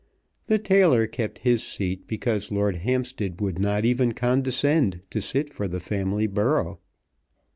The tailor kept his seat because Lord Hampstead would not even condescend to sit for the family borough.